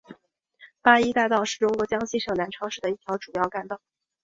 八一大道是中国江西省南昌市的一条主要干道。